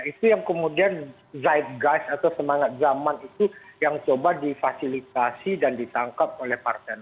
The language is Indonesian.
itu yang kemudian zeit guide atau semangat zaman itu yang coba difasilitasi dan ditangkap oleh partai nasdem